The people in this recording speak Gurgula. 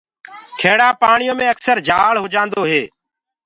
کيڙآ پآڻيو مي اڪسر جآݪ هوجآندو هي۔